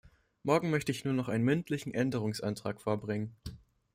Morgen möchte ich nur noch einen mündlichen Änderungsantrag vorbringen.